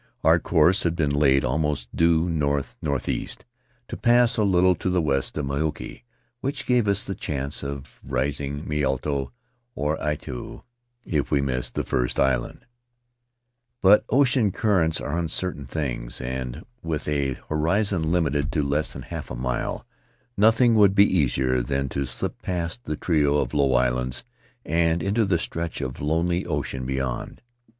Our course had been laid almost due north northeast — to A Memory of Mauke pass a little to the west of Mauke — which gave us the chance of raising Mitiaro or Atiu if we missed the first island; but ocean currents are uncertain things, and with a horizon limited to less than half a mile, nothing would be easier than to slip past the trio of low islands and into the stretch of lonely ocean beyond.